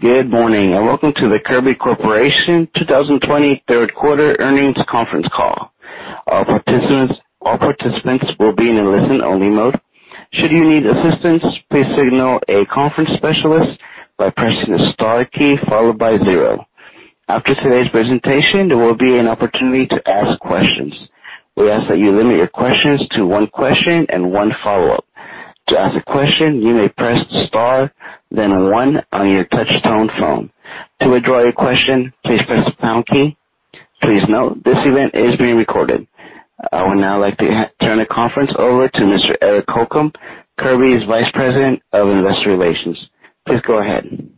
Good morning, and welcome to the Kirby Corporation 2020 third quarter earnings conference call. All participants, all participants will be in a listen-only mode. Should you need assistance, please signal a conference specialist by pressing the star key followed by zero. After today's presentation, there will be an opportunity to ask questions. We ask that you limit your questions to one question and one follow-up. To ask a question, you may press star, then one on your touchtone phone. To withdraw your question, please press the pound key. Please note, this event is being recorded. I would now like to turn the conference over to Mr. Eric Holcomb, Kirby's Vice President of Investor Relations. Please go ahead.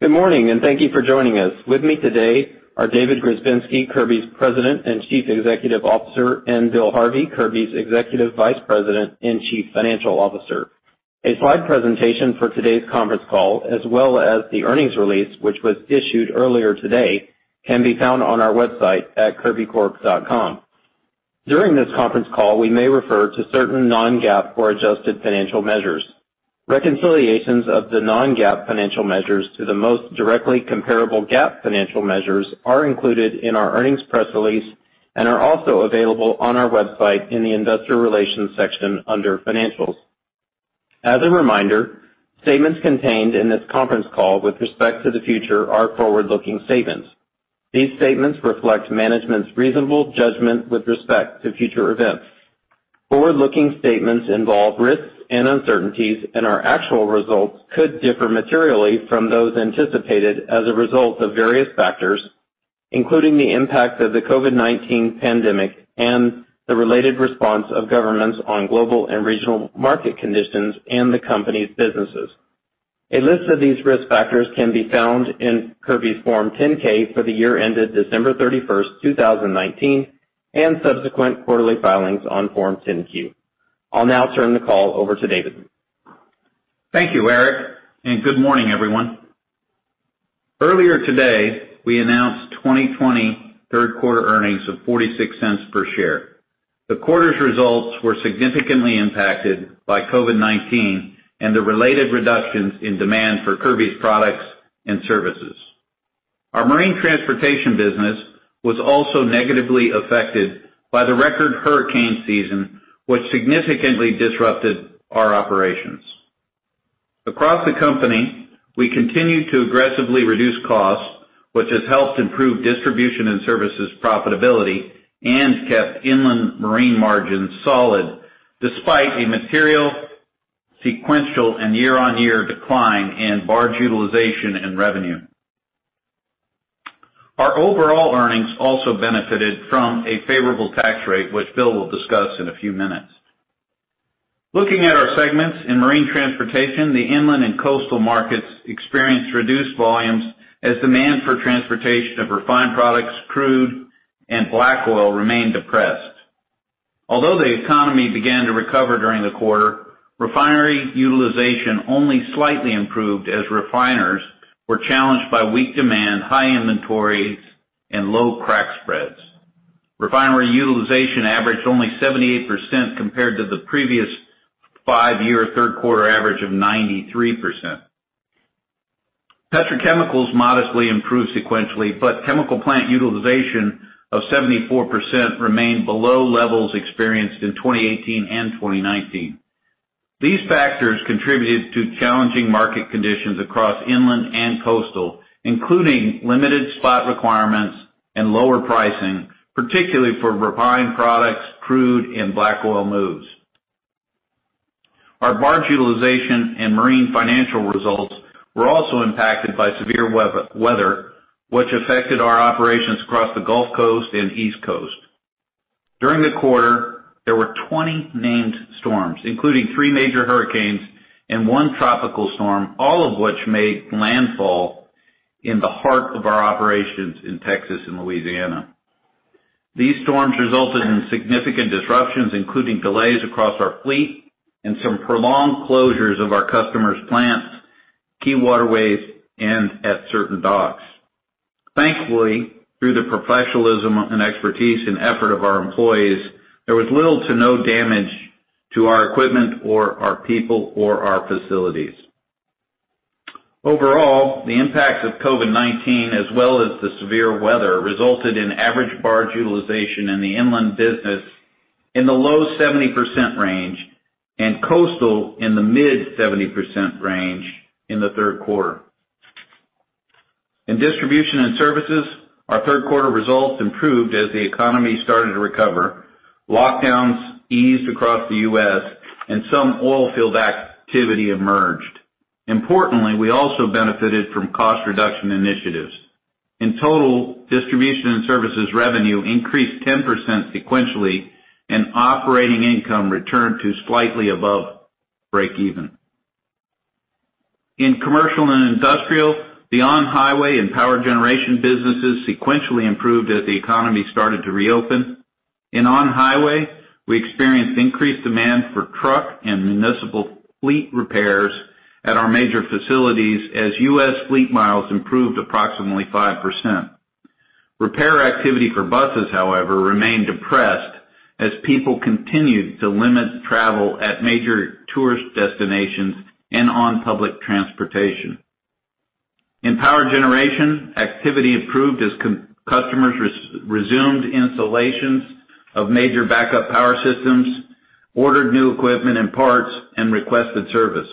Good morning, and thank you for joining us. With me today are David Grzebinski, Kirby's President and Chief Executive Officer, and Bill Harvey, Kirby's Executive Vice President and Chief Financial Officer. A slide presentation for today's conference call, as well as the earnings release, which was issued earlier today, can be found on our website at kirbycorp.com. During this conference call, we may refer to certain non-GAAP or adjusted financial measures. Reconciliations of the non-GAAP financial measures to the most directly comparable GAAP financial measures are included in our earnings press release and are also available on our website in the Investor Relations section under Financials. As a reminder, statements contained in this conference call with respect to the future are forward-looking statements. These statements reflect management's reasonable judgment with respect to future events. Forward-looking statements involve risks and uncertainties, and our actual results could differ materially from those anticipated as a result of various factors, including the impact of the COVID-19 pandemic and the related response of governments on global and regional market conditions and the company's businesses. A list of these risk factors can be found in Kirby's Form 10-K for the year ended December 31, 2019, and subsequent quarterly filings on Form 10-Q. I'll now turn the call over to David. Thank you, Eric, and good morning, everyone. Earlier today, we announced 2023 third quarter earnings of $0.46 per share. The quarter's results were significantly impacted by COVID-19 and the related reductions in demand for Kirby's products and services. Our marine transportation business was also negatively affected by the record hurricane season, which significantly disrupted our operations. Across the company, we continued to aggressively reduce costs, which has helped improve distribution and services profitability and kept inland marine margins solid, despite a material, sequential, and year-on-year decline in barge utilization and revenue. Our overall earnings also benefited from a favorable tax rate, which Bill will discuss in a few minutes. Looking at our segments in marine transportation, the inland and coastal markets experienced reduced volumes as demand for transportation of refined products, crude, and black oil remained depressed. Although the economy began to recover during the quarter, refinery utilization only slightly improved as refiners were challenged by weak demand, high inventories, and low crack spreads. Refinery utilization averaged only 78% compared to the previous five-year third quarter average of 93%. Petrochemicals modestly improved sequentially, but chemical plant utilization of 74% remained below levels experienced in 2018 and 2019. These factors contributed to challenging market conditions across inland and coastal, including limited spot requirements and lower pricing, particularly for refined products, crude, and black oil moves. Our barge utilization and marine financial results were also impacted by severe weather, which affected our operations across the Gulf Coast and East Coast. During the quarter, there were 20 named storms, including 3 major hurricanes and 1 tropical storm, all of which made landfall in the heart of our operations in Texas and Louisiana. These storms resulted in significant disruptions, including delays across our fleet and some prolonged closures of our customers' plants, key waterways, and at certain docks. Thankfully, through the professionalism and expertise and effort of our employees, there was little to no damage to our equipment or our people or our facilities. Overall, the impacts of COVID-19, as well as the severe weather, resulted in average barge utilization in the inland business in the low 70% range and coastal in the mid 70% range in the third quarter. In distribution and services, our third quarter results improved as the economy started to recover, lockdowns eased across the U.S., and some oil field activity emerged. Importantly, we also benefited from cost reduction initiatives. In total, distribution and services revenue increased 10% sequentially, and operating income returned to slightly above break even. In commercial and industrial, the on-highway and power generation businesses sequentially improved as the economy started to reopen. In on-highway, we experienced increased demand for truck and municipal fleet repairs at our major facilities as U.S. fleet miles improved approximately 5%. Repair activity for buses, however, remained depressed as people continued to limit travel at major tourist destinations and on public transportation. In power generation, activity improved as customers resumed installations of major backup power systems, ordered new equipment and parts, and requested service.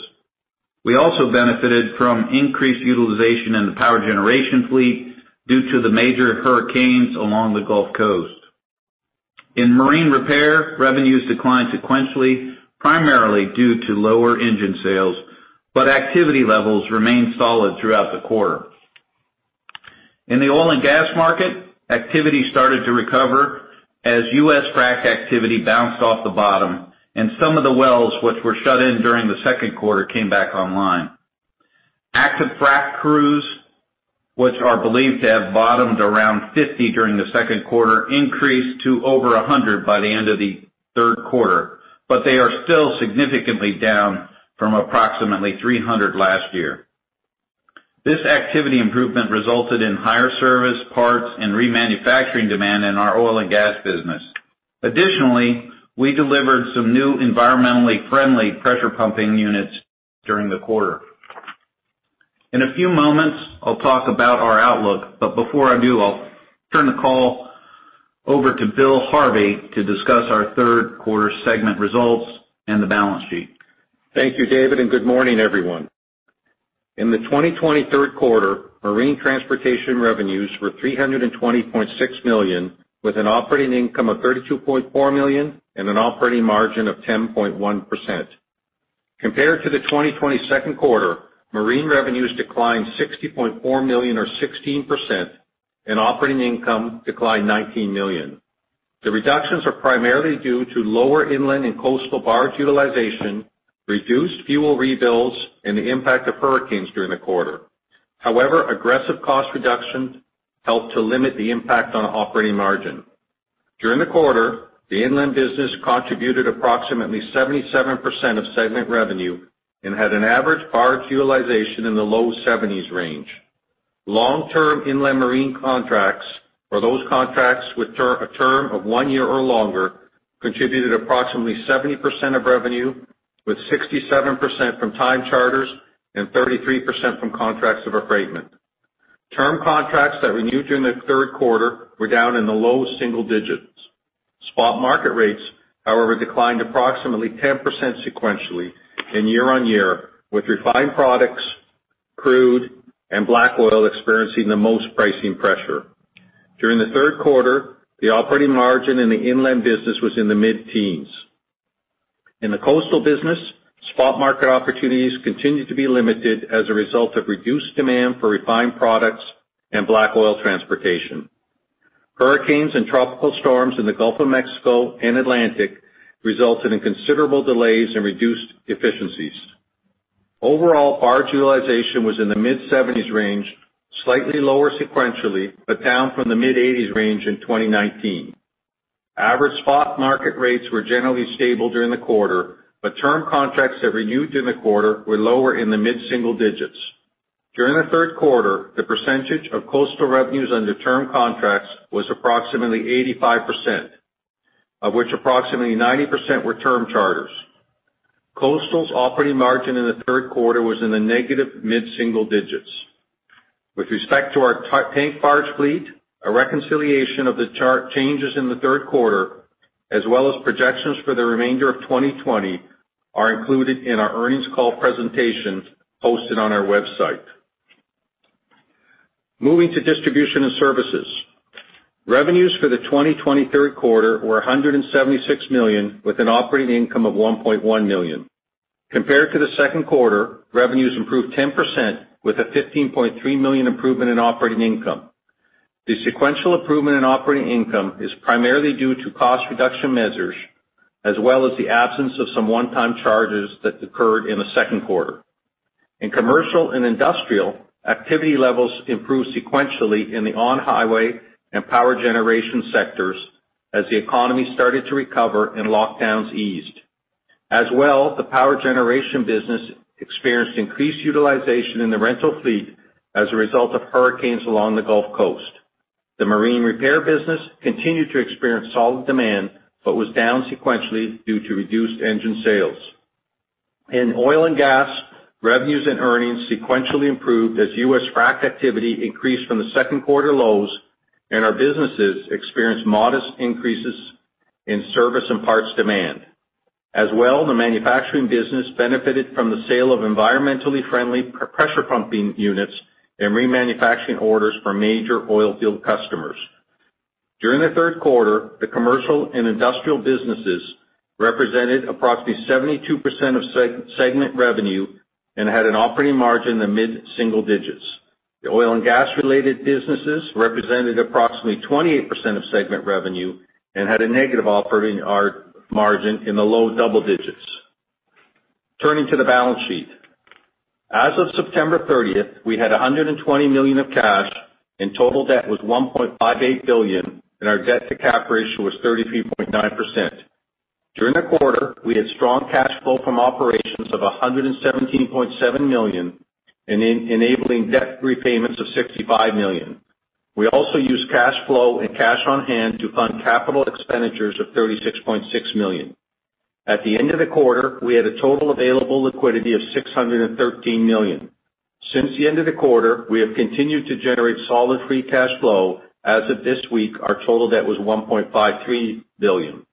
We also benefited from increased utilization in the power generation fleet due to the major hurricanes along the Gulf Coast. In marine repair, revenues declined sequentially, primarily due to lower engine sales, but activity levels remained solid throughout the quarter. In the oil and gas market, activity started to recover as U.S. frac activity bounced off the bottom, and some of the wells, which were shut in during the second quarter, came back online. Active frac crews, which are believed to have bottomed around 50 during the second quarter, increased to over 100 by the end of the third quarter, but they are still significantly down from approximately 300 last year. This activity improvement resulted in higher service, parts, and remanufacturing demand in our oil and gas business. Additionally, we delivered some new environmentally friendly pressure pumping units during the quarter. In a few moments, I'll talk about our outlook, but before I do, I'll turn the call over to Bill Harvey to discuss our third quarter segment results and the balance sheet. Thank you, David, and good morning, everyone. In the 2023 third quarter, marine transportation revenues were $320.6 million, with an operating income of $32.4 million and an operating margin of 10.1%. Compared to the 2022 second quarter, marine revenues declined $60.4 million or 16%, and operating income declined $19 million. The reductions are primarily due to lower inland and coastal barge utilization, reduced fuel rebills, and the impact of hurricanes during the quarter. However, aggressive cost reductions helped to limit the impact on operating margin. During the quarter, the inland business contributed approximately 77% of segment revenue and had an average barge utilization in the low 70s range. Long-term inland marine contracts, or those contracts with a term of one year or longer, contributed approximately 70% of revenue, with 67% from time charters and 33% from contracts of affreightment. Term contracts that renewed during the third quarter were down in the low single digits. Spot market rates, however, declined approximately 10% sequentially and year-on-year, with refined products, crude, and black oil experiencing the most pricing pressure. During the third quarter, the operating margin in the inland business was in the mid-teens. In the coastal business, spot market opportunities continued to be limited as a result of reduced demand for refined products and black oil transportation. Hurricanes and tropical storms in the Gulf of Mexico and Atlantic resulted in considerable delays and reduced efficiencies. Overall, barge utilization was in the mid-70s range, slightly lower sequentially, but down from the mid-80s range in 2019. Average spot market rates were generally stable during the quarter, but term contracts that renewed in the quarter were lower in the mid-single digits. During the third quarter, the percentage of coastal revenues under term contracts was approximately 85%, of which approximately 90% were term charters. Coastal's operating margin in the third quarter was in the negative mid-single digits. With respect to our tank barge fleet, a reconciliation of the chart changes in the third quarter, as well as projections for the remainder of 2020, are included in our earnings call presentation posted on our website. Moving to distribution and services. Revenues for the 2020 third quarter were $176 million, with an operating income of $1.1 million. Compared to the second quarter, revenues improved 10%, with a $15.3 million improvement in operating income. The sequential improvement in operating income is primarily due to cost reduction measures, as well as the absence of some one-time charges that occurred in the second quarter. In commercial and industrial, activity levels improved sequentially in the on-highway and power generation sectors as the economy started to recover and lockdowns eased. As well, the power generation business experienced increased utilization in the rental fleet as a result of hurricanes along the Gulf Coast. The marine repair business continued to experience solid demand, but was down sequentially due to reduced engine sales. In oil and gas, revenues and earnings sequentially improved as U.S. frac activity increased from the second quarter lows, and our businesses experienced modest increases in service and parts demand. As well, the manufacturing business benefited from the sale of environmentally friendly pressure pumping units and remanufacturing orders from major oil field customers. During the third quarter, the commercial and industrial businesses represented approximately 72% of segment revenue and had an operating margin in the mid-single digits. The oil and gas-related businesses represented approximately 28% of segment revenue and had a negative operating margin in the low double digits... Turning to the balance sheet. As of September 30, we had $120 million of cash, and total debt was $1.58 billion, and our debt-to-cap ratio was 33.9%. During the quarter, we had strong cash flow from operations of $117.7 million, and enabling debt repayments of $65 million. We also used cash flow and cash on hand to fund capital expenditures of $36.6 million. At the end of the quarter, we had a total available liquidity of $613 million. Since the end of the quarter, we have continued to generate solid free cash flow. As of this week, our total debt was $1.53 billion.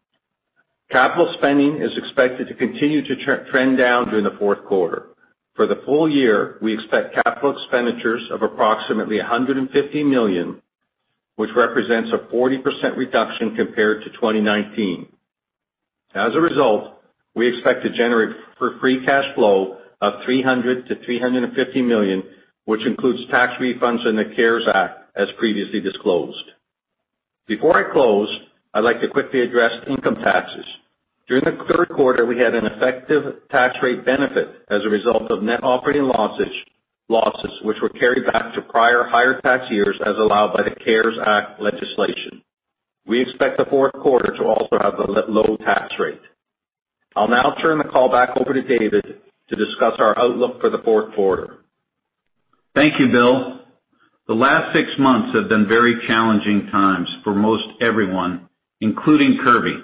Capital spending is expected to continue to trend down during the fourth quarter. For the full year, we expect capital expenditures of approximately $150 million, which represents a 40% reduction compared to 2019. As a result, we expect to generate for free cash flow of $300 million-$350 million, which includes tax refunds in the CARES Act, as previously disclosed. Before I close, I'd like to quickly address income taxes. During the third quarter, we had an effective tax rate benefit as a result of net operating losses, which were carried back to prior higher tax years, as allowed by the CARES Act legislation. We expect the fourth quarter to also have a low tax rate. I'll now turn the call back over to David to discuss our outlook for the fourth quarter. Thank you, Bill. The last six months have been very challenging times for most everyone, including Kirby.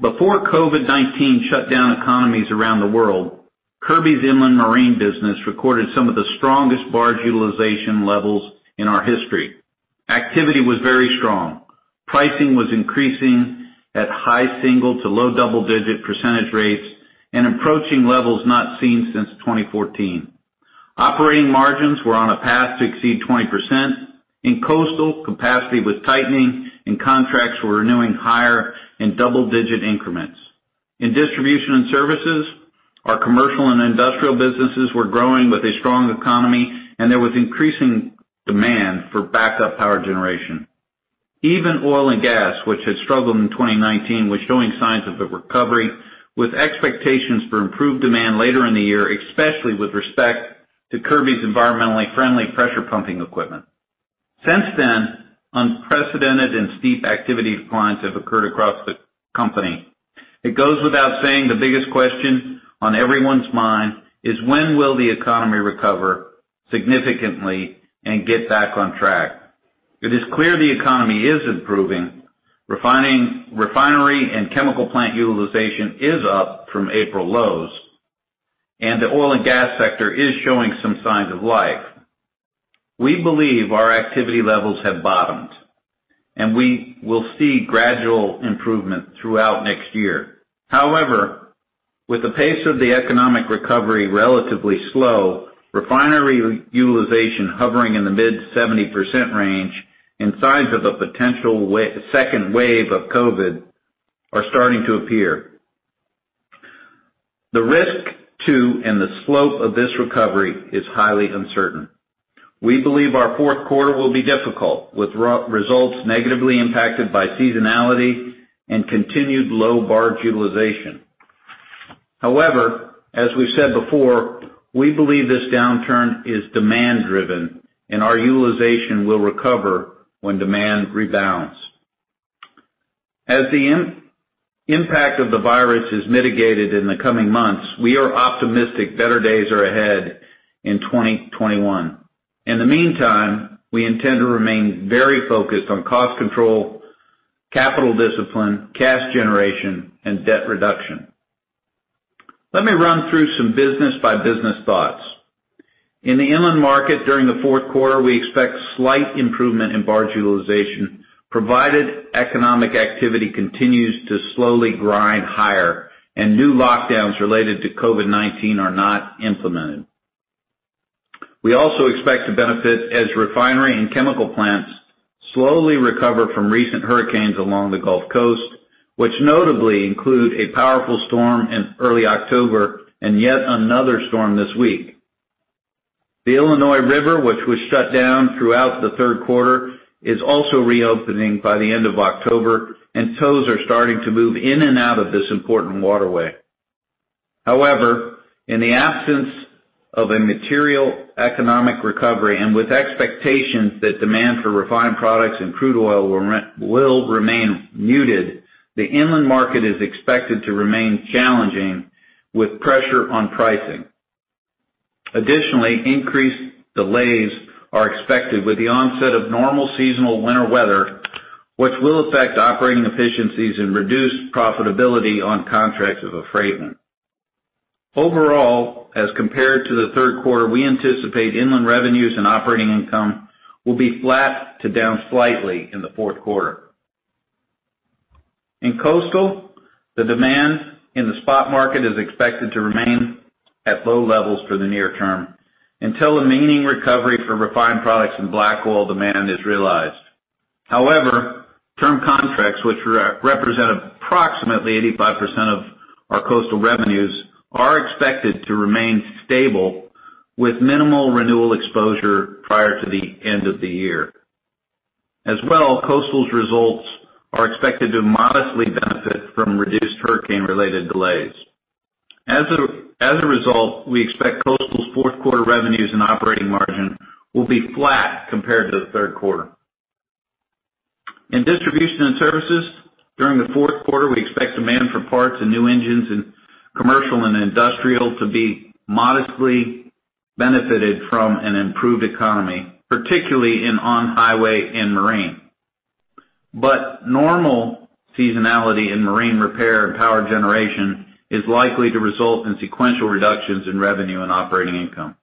Before COVID-19 shut down economies around the world, Kirby's inland marine business recorded some of the strongest barge utilization levels in our history. Activity was very strong. Pricing was increasing at high single- to low double-digit percentage rates and approaching levels not seen since 2014. Operating margins were on a path to exceed 20%. In coastal, capacity was tightening and contracts were renewing higher in double-digit increments. In distribution and services, our commercial and industrial businesses were growing with a strong economy, and there was increasing demand for backup power generation. Even oil and gas, which had struggled in 2019, was showing signs of a recovery, with expectations for improved demand later in the year, especially with respect to Kirby's environmentally friendly pressure pumping equipment. Since then, unprecedented and steep activity declines have occurred across the company. It goes without saying, the biggest question on everyone's mind is: when will the economy recover significantly and get back on track? It is clear the economy is improving. Refinery and chemical plant utilization is up from April lows, and the oil and gas sector is showing some signs of life. We believe our activity levels have bottomed, and we will see gradual improvement throughout next year. However, with the pace of the economic recovery relatively slow, refinery utilization hovering in the mid-70% range and signs of a potential second wave of COVID are starting to appear. The risk to and the slope of this recovery is highly uncertain. We believe our fourth quarter will be difficult, with results negatively impacted by seasonality and continued low barge utilization. However, as we've said before, we believe this downturn is demand driven, and our utilization will recover when demand rebounds. As the impact of the virus is mitigated in the coming months, we are optimistic better days are ahead in 2021. In the meantime, we intend to remain very focused on cost control, capital discipline, cash generation, and debt reduction. Let me run through some business-by-business thoughts. In the inland market during the fourth quarter, we expect slight improvement in barge utilization, provided economic activity continues to slowly grind higher and new lockdowns related to COVID-19 are not implemented. We also expect to benefit as refinery and chemical plants slowly recover from recent hurricanes along the Gulf Coast, which notably include a powerful storm in early October and yet another storm this week. The Illinois River, which was shut down throughout the third quarter, is also reopening by the end of October, and tows are starting to move in and out of this important waterway. However, in the absence of a material economic recovery, and with expectations that demand for refined products and crude oil will remain muted, the inland market is expected to remain challenging, with pressure on pricing. Additionally, increased delays are expected with the onset of normal seasonal winter weather, which will affect operating efficiencies and reduce profitability on contracts of affreightment. Overall, as compared to the third quarter, we anticipate inland revenues and operating income will be flat to down slightly in the fourth quarter. In Coastal, the demand in the spot market is expected to remain at low levels for the near term until a meaningful recovery for refined products and black oil demand is realized. However, term contracts, which represent approximately 85% of our Coastal revenues, are expected to remain stable with minimal renewal exposure prior to the end of the year. As well, Coastal's results are expected to modestly benefit from reduced hurricane-related delays. As a result, we expect Coastal's fourth quarter revenues and operating margin will be flat compared to the third quarter. In distribution and services, during the fourth quarter, we expect demand for parts and new engines in commercial and industrial to be modestly benefited from an improved economy, particularly in on-highway and marine. But normal seasonality in marine repair and power generation is likely to result in sequential reductions in revenue and operating income.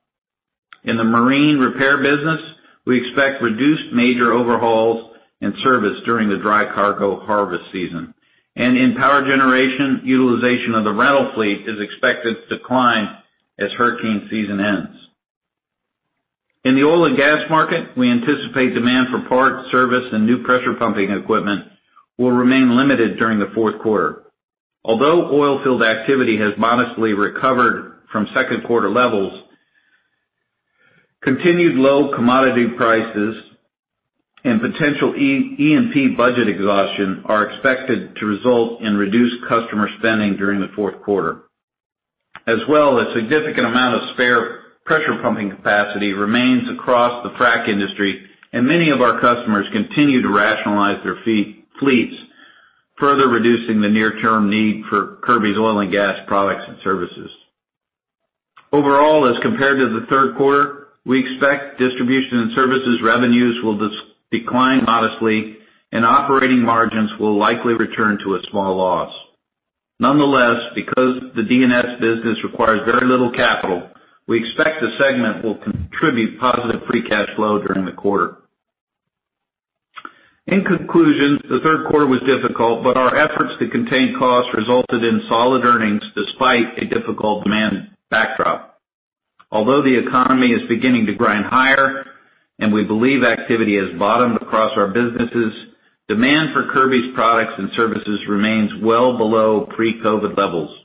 In the marine repair business, we expect reduced major overhauls and service during the dry cargo harvest season. In power generation, utilization of the rental fleet is expected to decline as hurricane season ends. In the oil and gas market, we anticipate demand for parts, service, and new pressure pumping equipment will remain limited during the fourth quarter. Although oil field activity has modestly recovered from second quarter levels, continued low commodity prices and potential E&P budget exhaustion are expected to result in reduced customer spending during the fourth quarter. As well, a significant amount of spare pressure pumping capacity remains across the frac industry, and many of our customers continue to rationalize their fleets, further reducing the near-term need for Kirby's oil and gas products and services. Overall, as compared to the third quarter, we expect distribution and services revenues will decline modestly, and operating margins will likely return to a small loss. Nonetheless, because the D&S business requires very little capital, we expect the segment will contribute positive free cash flow during the quarter. In conclusion, the third quarter was difficult, but our efforts to contain costs resulted in solid earnings despite a difficult demand backdrop. Although the economy is beginning to grind higher, and we believe activity has bottomed across our businesses, demand for Kirby's products and services remains well below pre-COVID levels.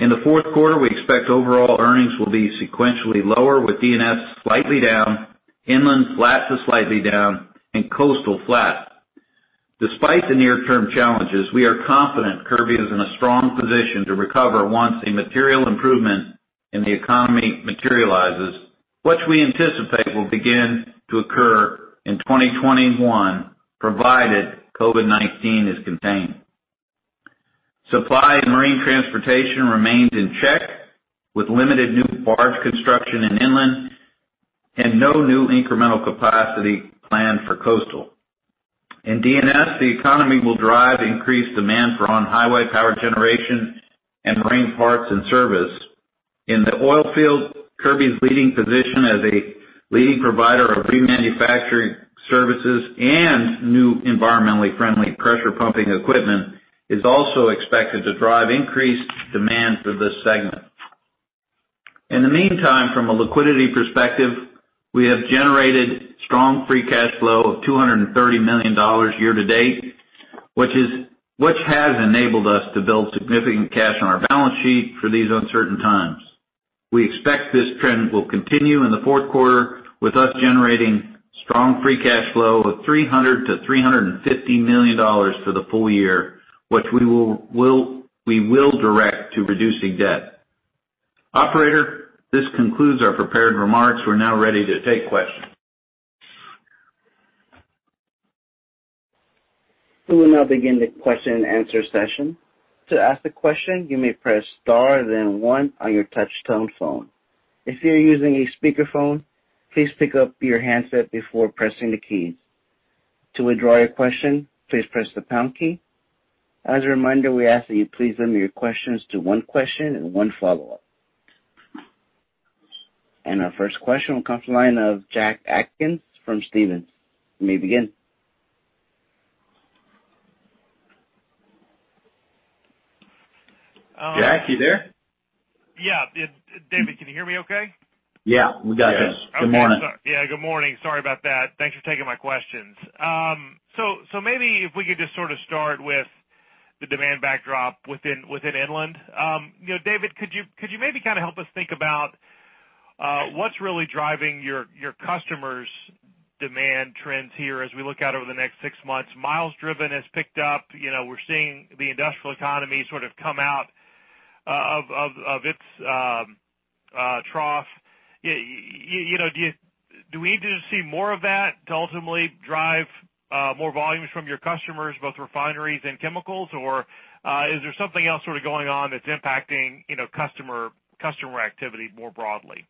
In the fourth quarter, we expect overall earnings will be sequentially lower, with D&S slightly down, inland flat to slightly down, and coastal flat. Despite the near-term challenges, we are confident Kirby is in a strong position to recover once a material improvement in the economy materializes, which we anticipate will begin to occur in 2021, provided COVID-19 is contained. Supply in marine transportation remains in check, with limited new barge construction in inland and no new incremental capacity planned for coastal. In D&S, the economy will drive increased demand for on-highway power generation and marine parts and service. In the oil field, Kirby's leading position as a leading provider of remanufacturing services and new environmentally friendly pressure pumping equipment is also expected to drive increased demand for this segment. In the meantime, from a liquidity perspective, we have generated strong free cash flow of $230 million year to date, which has enabled us to build significant cash on our balance sheet for these uncertain times. We expect this trend will continue in the fourth quarter, with us generating strong free cash flow of $300 million-$350 million for the full year, which we will direct to reducing debt. Operator, this concludes our prepared remarks. We're now ready to take questions. We will now begin the question and answer session. To ask a question, you may press star then one on your touch tone phone. If you're using a speakerphone, please pick up your handset before pressing the keys. To withdraw your question, please press the pound key. As a reminder, we ask that you please limit your questions to one question and one follow-up. Our first question will come from the line of Jack Atkins from Stephens. You may begin. Jack, you there? Yeah. David, can you hear me okay? Yeah, we got you. Yes. Good morning. Yeah, good morning. Sorry about that. Thanks for taking my questions. So maybe if we could just sort of start with the demand backdrop within inland. You know, David, could you maybe kind of help us think about what's really driving your customers' demand trends here as we look out over the next six months? Miles driven has picked up. You know, we're seeing the industrial economy sort of come out of its trough. You know, do we need to see more of that to ultimately drive more volumes from your customers, both refineries and chemicals, or is there something else sort of going on that's impacting you know, customer activity more broadly?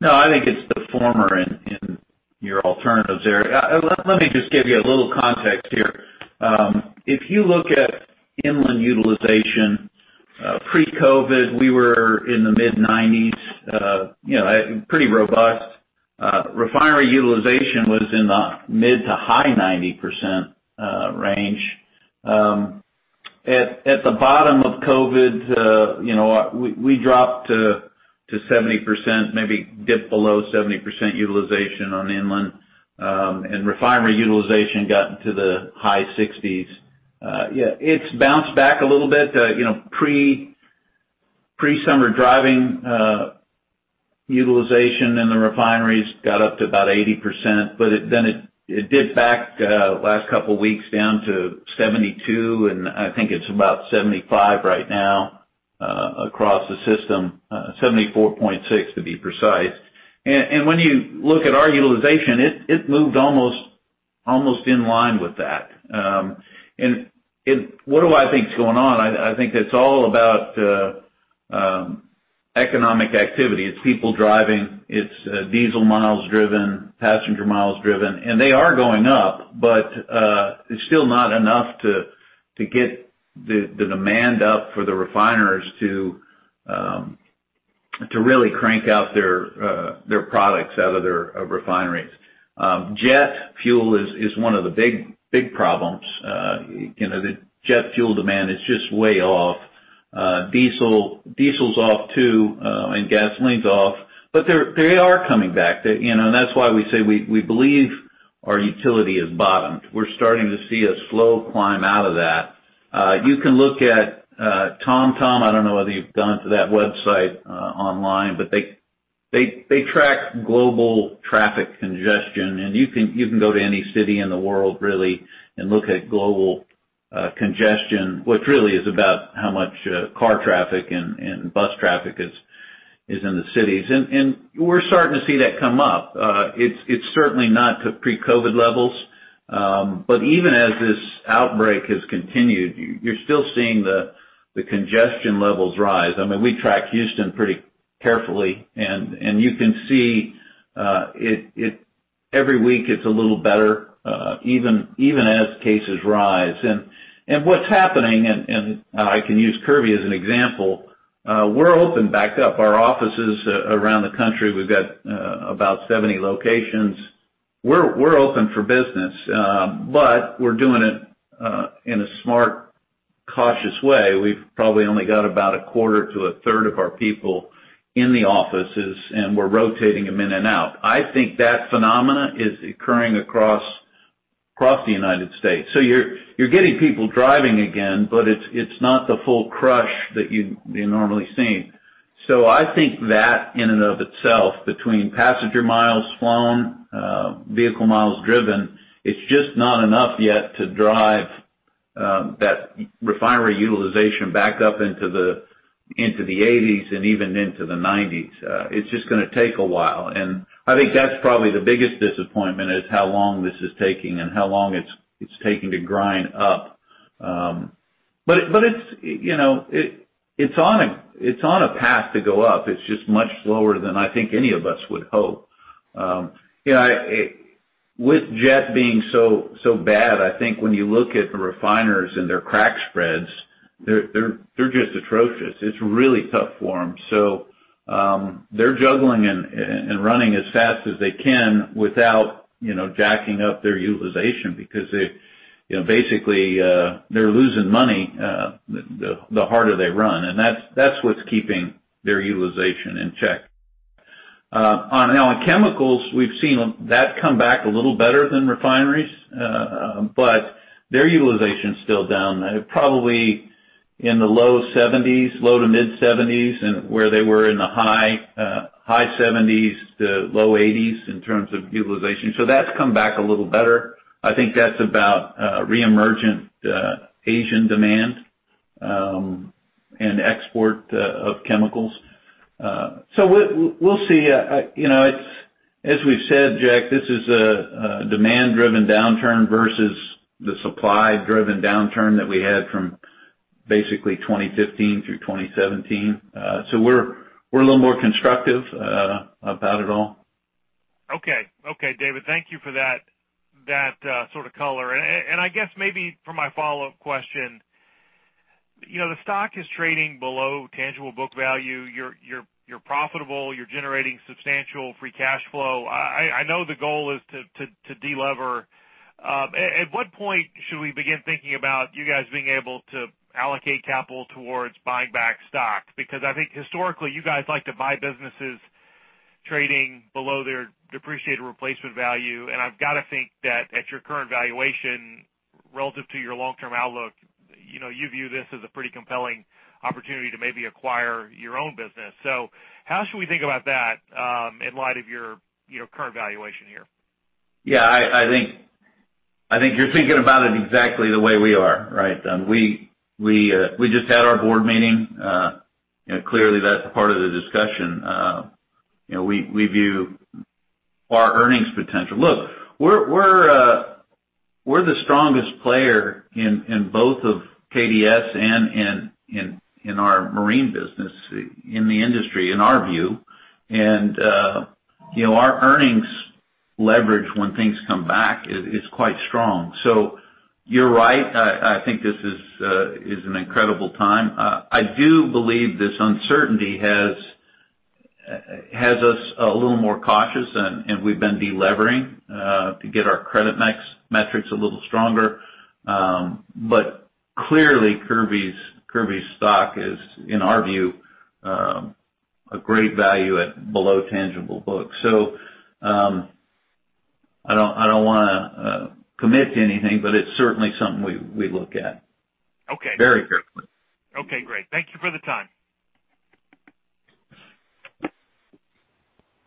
No, I think it's the former in your alternatives there. Let me just give you a little context here. If you look at inland utilization, pre-COVID, we were in the mid-90s, you know, pretty robust. Refinery utilization was in the mid- to high 90% range. At the bottom of COVID, you know, we dropped to 70%, maybe dipped below 70% utilization on inland, and refinery utilization got into the high 60s. Yeah, it's bounced back a little bit, you know, pre-summer driving, utilization in the refineries got up to about 80%, but then it did back last couple weeks down to 72, and I think it's about 75 right now, across the system, 74.6, to be precise. When you look at our utilization, it moved almost in line with that. What do I think is going on? I think it's all about economic activity. It's people driving, it's diesel miles driven, passenger miles driven, and they are going up, but it's still not enough to get the demand up for the refiners to really crank out their products out of their refineries. Jet fuel is one of the big problems. You know, the jet fuel demand is just way off. Diesel's off too, and gasoline's off, but they're coming back. You know, and that's why we say we believe our utility has bottomed. We're starting to see a slow climb out of that. You can look at TomTom. I don't know whether you've gone to that website online, but they track global traffic congestion, and you can go to any city in the world really and look at global congestion, which really is about how much car traffic and bus traffic is in the cities. We're starting to see that come up. It's certainly not to pre-COVID levels, but even as this outbreak has continued, you're still seeing the congestion levels rise. I mean, we track Houston pretty carefully, and you can see it every week. It's a little better, even as cases rise. What's happening, and I can use Kirby as an example, we're open back up. Our offices around the country, we've got about 70 locations. We're open for business, but we're doing it in a smart, cautious way. We've probably only got about a quarter to a third of our people in the offices, and we're rotating them in and out. I think that phenomena is occurring across the United States. So you're getting people driving again, but it's not the full crush that you'd normally see. So I think that, in and of itself, between passenger miles flown, vehicle miles driven, it's just not enough yet to drive that refinery utilization back up into the 80s and even into the 90s. It's just gonna take a while, and I think that's probably the biggest disappointment is how long this is taking and how long it's taking to grind up. But it's, you know, it's on a path to go up. It's just much slower than I think any of us would hope. You know, I—with jet being so bad, I think when you look at the refiners and their crack spreads, they're just atrocious. It's really tough for them. So, they're juggling and running as fast as they can without, you know, jacking up their utilization because they, you know, basically, they're losing money, the harder they run, and that's what's keeping their utilization in check. Now, on chemicals, we've seen that come back a little better than refineries, but their utilization's still down, probably in the low 70s, low-to-mid-70s, and where they were in the high 70s to low 80s in terms of utilization. So that's come back a little better. I think that's about reemerging Asian demand and export of chemicals. So we'll see. You know, it's, as we've said, Jack, this is a demand-driven downturn versus the supply-driven downturn that we had from basically 2015 through 2017. So we're a little more constructive about it all. Okay. Okay, David, thank you for that sort of color. And I guess maybe for my follow-up question, you know, the stock is trading below tangible book value. You're profitable, you're generating substantial free cash flow. I know the goal is to de-lever. At what point should we begin thinking about you guys being able to allocate capital towards buying back stock? Because I think historically, you guys like to buy businesses trading below their depreciated replacement value, and I've got to think that at your current valuation, relative to your long-term outlook, you know, you view this as a pretty compelling opportunity to maybe acquire your own business. So how should we think about that in light of your current valuation here? Yeah, I think you're thinking about it exactly the way we are, right? We just had our board meeting. You know, clearly, that's part of the discussion. You know, we view our earnings potential. Look, we're the strongest player in both of KDS and in our marine business, in the industry, in our view. And you know, our earnings leverage when things come back is quite strong. So you're right. I think this is an incredible time. I do believe this uncertainty has us a little more cautious, and we've been de-levering to get our credit metrics a little stronger. But clearly, Kirby's stock is, in our view, a great value at below tangible books. So...I don't wanna commit to anything, but it's certainly something we look at. Okay. Very carefully. Okay, great. Thank you for the time.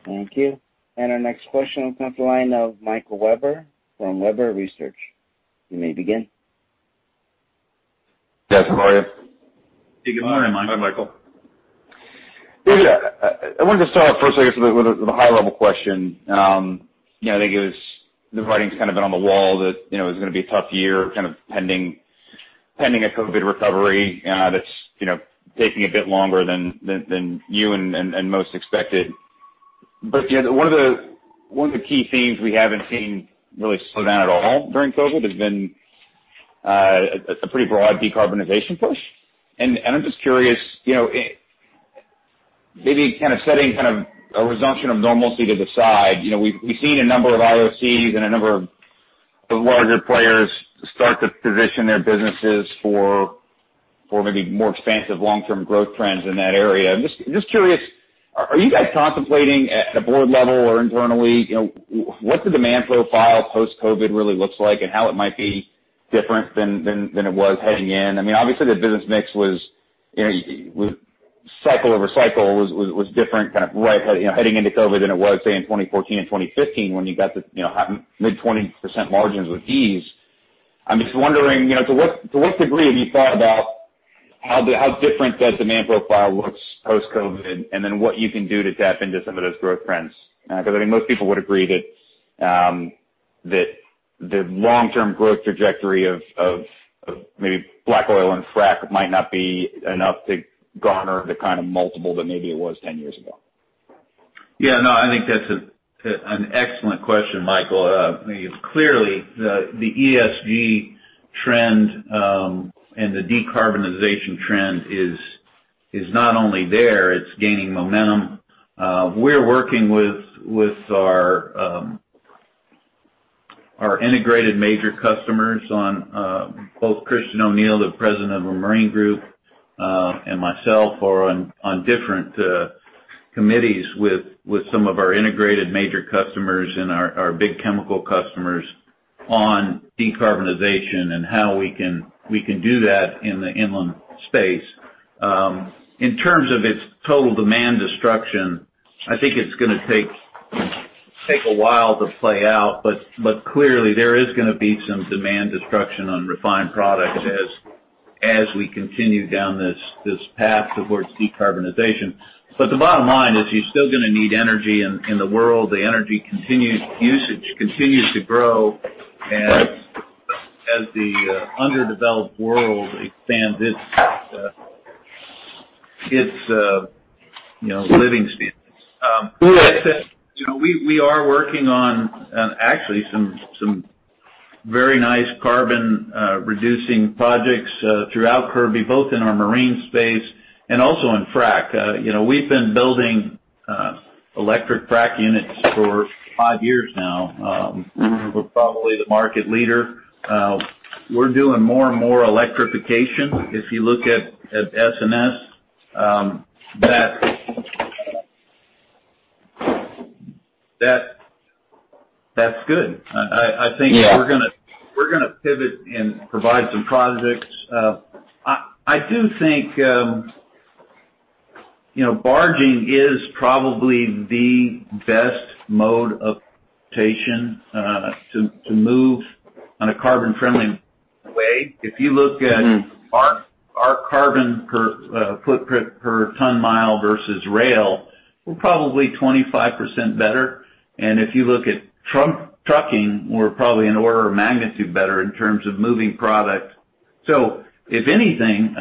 Thank you. Our next question will come from the line of Michael Webber from Webber Research. You may begin. Yes, how are you? Good morning, Michael. Hi, Michael. I wanted to start off first, I guess, with a high level question. You know, I think it was—the writing's kind of been on the wall that, you know, it was gonna be a tough year, kind of pending a COVID recovery, that's, you know, taking a bit longer than you and most expected. But, you know, one of the key themes we haven't seen really slow down at all during COVID has been a pretty broad decarbonization push. And I'm just curious, you know, maybe kind of setting kind of a resumption of normalcy to the side, you know, we've seen a number of IOCs and a number of larger players start to position their businesses for maybe more expansive long-term growth trends in that area. I'm just curious, are you guys contemplating at a board level or internally, you know, what the demand profile post-COVID really looks like, and how it might be different than it was heading in? I mean, obviously, the business mix was, you know, cycle over cycle was different, kind of right, you know, heading into COVID than it was, say, in 2014 and 2015 when you got the, you know, mid-20% margins with ease. I'm just wondering, you know, to what degree have you thought about how different that demand profile looks post-COVID, and then what you can do to tap into some of those growth trends? Because, I mean, most people would agree that that the long-term growth trajectory of maybe black oil and frac might not be enough to garner the kind of multiple that maybe it was ten years ago. Yeah, no, I think that's an excellent question, Michael. I mean, clearly, the ESG trend and the decarbonization trend is not only there, it's gaining momentum. We're working with our integrated major customers on both Christian O’Neil, the President of our Marine Group, and myself are on different committees with some of our integrated major customers and our big chemical customers on decarbonization and how we can do that in the inland space. In terms of its total demand destruction, I think it's gonna take a while to play out, but clearly there is gonna be some demand destruction on refined products as we continue down this path towards decarbonization. But the bottom line is you're still gonna need energy in the world. The energy continued usage continues to grow as the underdeveloped world expands its you know living standards. You know we are working on actually some very nice carbon reducing projects throughout Kirby both in our marine space and also in frac. You know we've been building electric frac units for five years now. We're probably the market leader. We're doing more and more electrification. If you look at S&S that that's good. I think we're gonna pivot and provide some projects. I do think, you know, barging is probably the best mode of transportation to move on a carbon-friendly way. If you look at our carbon footprint per ton mile versus rail, we're probably 25% better. And if you look at trucking, we're probably an order of magnitude better in terms of moving product. So if anything,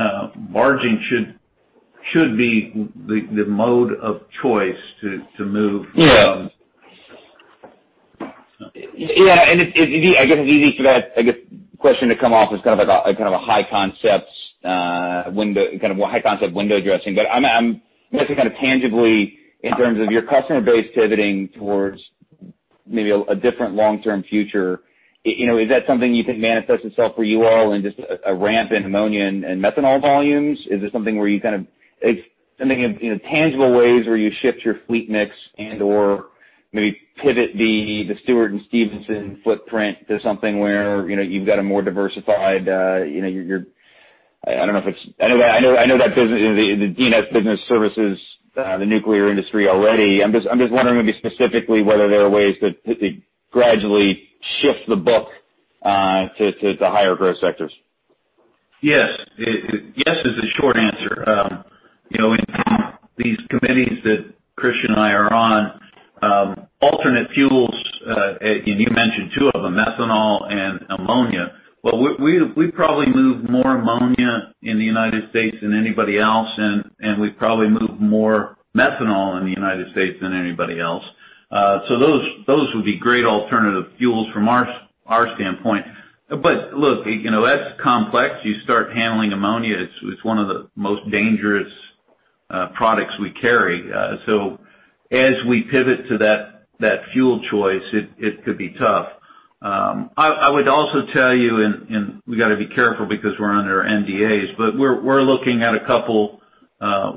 barging should be the mode of choice to move. Yeah. Yeah, and it... I guess it's easy for that, I guess, question to come off as kind of like a, kind of a high concepts window, kind of a high concept window dressing. But I'm kind of tangibly in terms of your customer base pivoting towards maybe a, a different long-term future. You know, is that something you think manifests itself for you all in just a, a ramp in ammonia and methanol volumes? Is it something where you kind of—it's something of, you know, tangible ways where you shift your fleet mix and/or maybe pivot the Stewart & Stevenson footprint to something where, you know, you've got a more diversified, you know, you're—I don't know if it's... I know that the D&S business services the nuclear industry already. I'm just wondering maybe specifically whether there are ways to gradually shift the book to higher growth sectors. Yes. Yes is the short answer. You know, in these committees that Christian and I are on, alternate fuels, and you mentioned two of them, methanol and ammonia. Well, we, we, we probably move more ammonia in the United States than anybody else, and, and we probably move more methanol in the United States than anybody else. So those, those would be great alternative fuels from our standpoint. But look, you know, that's complex. You start handling ammonia, it's, it's one of the most dangerous products we carry. So as we pivot to that, that fuel choice, it, it could be tough. I would also tell you, and, and we got to be careful because we're under NDAs, but we're, we're looking at a couple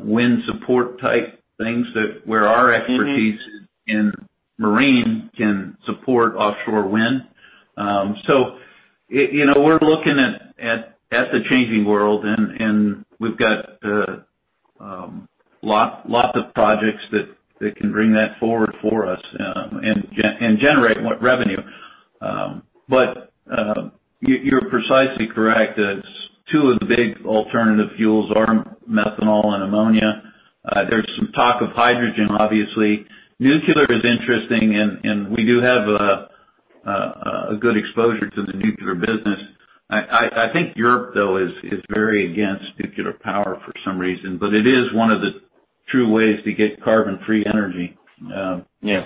wind support type things that, where our expertise- Mm-hmm In marine can support offshore wind. So, it, you know, we're looking at the changing world, and we've got lots of projects that can bring that forward for us, and generate more revenue. But, you, you're precisely correct. It's two of the big alternative fuels are methanol and ammonia. There's some talk of hydrogen, obviously. Nuclear is interesting, and we do have a good exposure to the nuclear business. I think Europe, though, is very against nuclear power for some reason, but it is one of the true ways to get carbon-free energy. Yeah.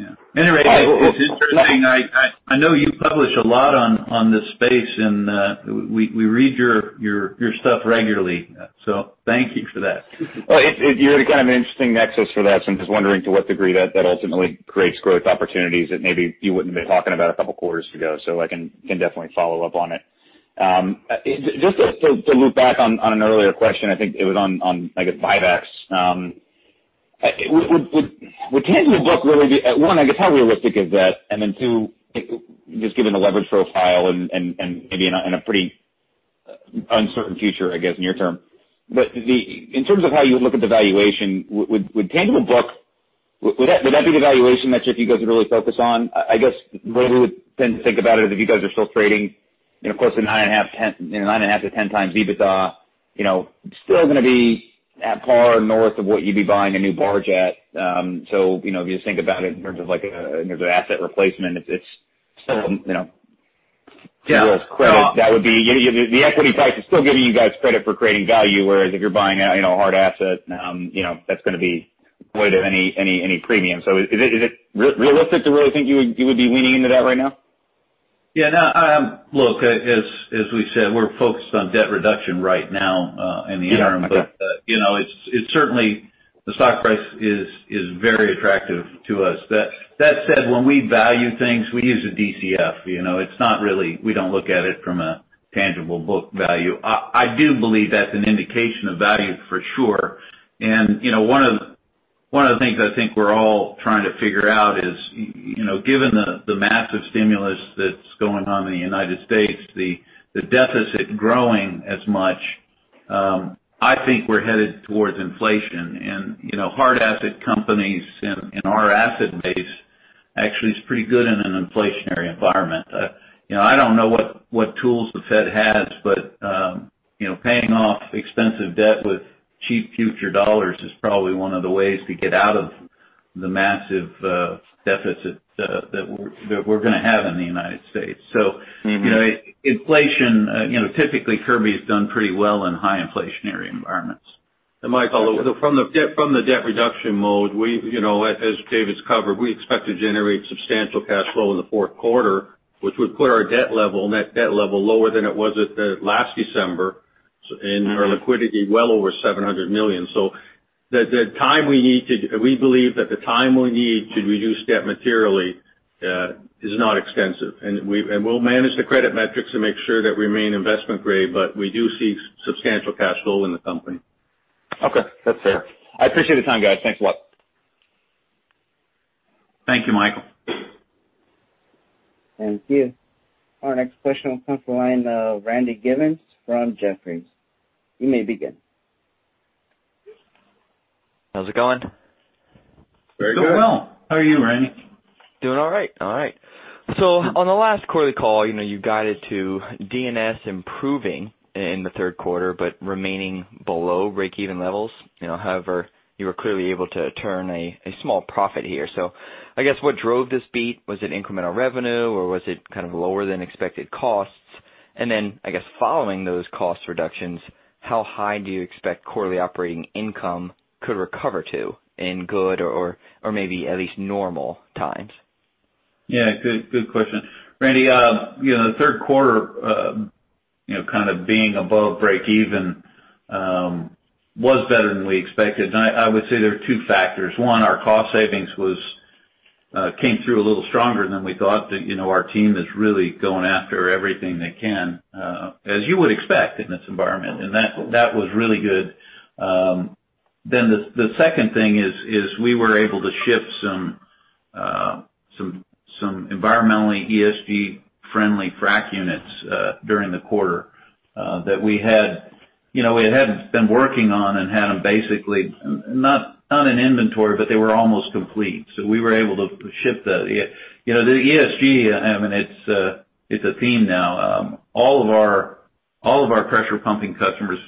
Yeah. Anyway, it's interesting. I know you publish a lot on this space, and we read your stuff regularly. So thank you for that. Well, you're kind of an interesting nexus for that. So I'm just wondering to what degree that ultimately creates growth opportunities that maybe you wouldn't have been talking about a couple quarters ago. So I can definitely follow up on it. Just to loop back on an earlier question, I think it was on, I guess, buybacks. Would tangible book really be... One, I guess, how realistic is that? And then, two, just given the leverage profile and maybe in a pretty uncertain future, I guess, near term, but the... In terms of how you look at the valuation, would tangible book, would that be the valuation metric you guys would really focus on? I guess, the way we would then think about it is if you guys are still trading, you know, close to 9.5, 10, you know, 9.5-10x EBITDA, you know, still gonna be at par north of what you'd be buying a new barge at. So, you know, if you just think about it in terms of like, in terms of asset replacement, it's, it's still, you know- Yeah. That would be, the equity price is still giving you guys credit for creating value, whereas if you're buying a, you know, a hard asset, you know, that's gonna be void of any premium. So is it realistic to really think you would be leaning into that right now? Yeah, no, look, as we said, we're focused on debt reduction right now, in the interim. Yeah. But, you know, it's certainly... The stock price is very attractive to us. That said, when we value things, we use a DCF, you know? It's not really - we don't look at it from a tangible book value. I do believe that's an indication of value, for sure. And, you know, one of the things I think we're all trying to figure out is, you know, given the massive stimulus that's going on in the United States, the deficit growing as much, I think we're headed towards inflation. And, you know, hard asset companies and our asset base actually is pretty good in an inflationary environment. You know, I don't know what, what tools the Fed has, but, you know, paying off expensive debt with cheap future dollars is probably one of the ways to get out of the massive deficit that we're, that we're gonna have in the United States. Mm-hmm. So, you know, inflation, you know, typically, Kirby has done pretty well in high inflationary environments. And Michael, from the debt, from the debt reduction mode, we, you know, as, as David's covered, we expect to generate substantial cash flow in the fourth quarter, which would put our debt level, net debt level, lower than it was at last December, so- Mm-hmm ...and our liquidity well over $700 million. So, we believe that the time we need to reduce debt materially is not extensive, and we'll manage the credit metrics to make sure that we remain investment grade, but we do see substantial cash flow in the company. Okay. That's fair. I appreciate the time, guys. Thanks a lot. Thank you, Michael. Thank you. Our next question will come from the line of Randy Givens from Jefferies. You may begin. How's it going? Very good. Doing well. How are you, Randy? Doing all right. All right. So on the last quarterly call, you know, you guided to D&S improving in the third quarter, but remaining below breakeven levels. You know, however, you were clearly able to turn a small profit here. So I guess what drove this beat? Was it incremental revenue, or was it kind of lower-than-expected costs? And then, I guess, following those cost reductions, how high do you expect quarterly operating income could recover to in good or maybe at least normal times? Yeah, good, good question. Randy, you know, the third quarter, you know, kind of being above breakeven, was better than we expected, and I would say there are two factors. One, our cost savings came through a little stronger than we thought. You know, our team is really going after everything they can, as you would expect in this environment, and that was really good. Then the second thing is we were able to ship some environmentally ESG-friendly frac units during the quarter that we had... You know, we had been working on and had them basically not in inventory, but they were almost complete. So we were able to ship the... You know, the ESG, and it's a theme now. All of our pressure pumping customers,